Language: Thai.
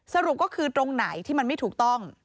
สรุปก็คือตรงไหนที่มันไม่ถูกต้อง